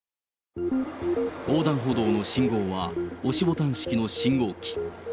横断歩道の信号は、押しボタン式の信号機。